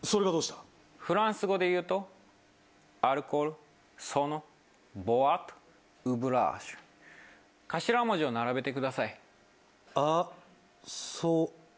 フランス語で言うとアルコールそのボワッウブラーシュ頭文字を並べてください。